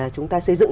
chúng ta xây dựng